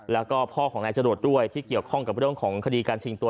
แล้วก็พ่อของนายจรวดด้วยที่เกี่ยวข้องกับเรื่องของคดีการชิงตัว